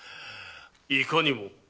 いかにも。